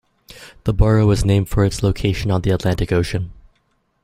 The borough was named for its location on the Atlantic Ocean.